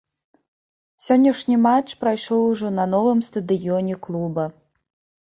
Сённяшні матч прайшоў ужо на новым стадыёне клуба.